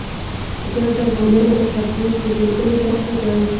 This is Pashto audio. ګاز د افغانانو د فرهنګي پیژندنې برخه ده.